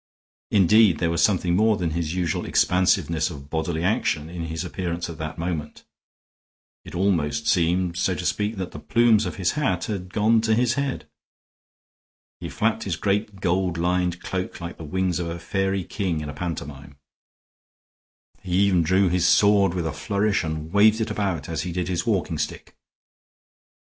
Indeed, there was something more than his usual expansiveness of bodily action in his appearance at that moment. It almost seemed, so to speak, that the plumes on his hat had gone to his head. He flapped his great, gold lined cloak like the wings of a fairy king in a pantomime; he even drew his sword with a flourish and waved it about as he did his walking stick.